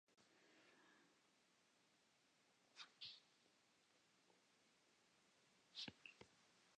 Dy saterdeitejûns yn augustus dangele er tsjin sânen de lege winkelstrjitte yn.